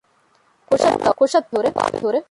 ކުރެވުނު ކުށަށް ތަޢުބާވެހުރޭ